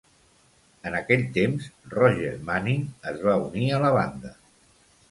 En aquell temps, Roger Manning es va unir a la banda.